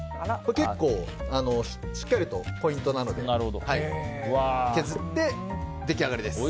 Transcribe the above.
結構しっかりとポイントなのでそして、これで出来上がりです。